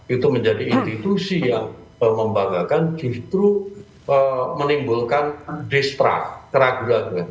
itu menjadi institusi yang membagakan justru menimbulkan distrust keraguan